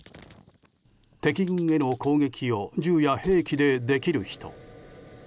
敵軍への攻撃を銃や兵器でできる人。